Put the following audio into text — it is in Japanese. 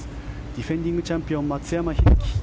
ディフェンディングチャンピオン松山英樹。